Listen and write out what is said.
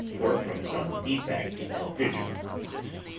or from some defect of vision.